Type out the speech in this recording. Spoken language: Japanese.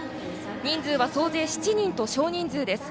人数は総勢７人と少人数です。